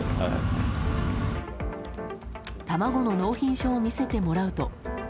卵の納品書を見せてもらうと。